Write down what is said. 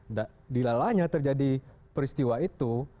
nah dilalanya terjadi peristiwa itu